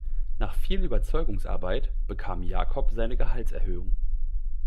Nach viel Überzeugungsarbeit bekam Jakob seine Gehaltserhöhung.